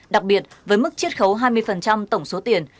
đặc biệt với mức chiết khấu hai mươi tổng số tiền